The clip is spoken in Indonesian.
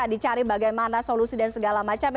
dicari bagaimana solusi dan segala macam